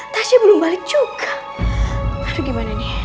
tasnya belum balik juga